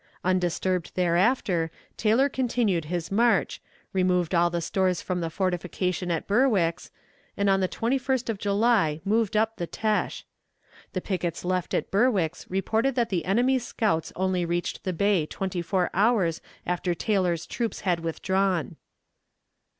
Undisturbed thereafter, Taylor continued his march, removed all the stores from the fortification at Berwick's, and on the 21st of July moved up the Têche. The pickets left at Berwick's reported that the enemy's scouts only reached the bay twenty four hours after Taylor's troops had withdrawn.